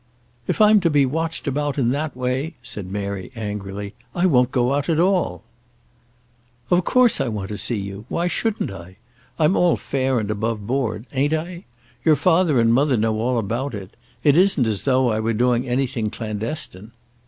"If I'm to be watched about in that way," said Mary angrily, "I won't go out at all." "Of course I want to see you. Why shouldn't I? I'm all fair and above board; ain't I? Your father and mother know all about it. It isn't as though I were doing anything clandestine."